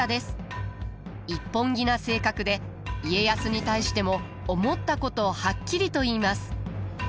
一本気な性格で家康に対しても思ったことをはっきりと言います。